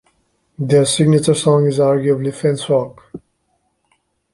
Their signature song is arguably Fencewalk.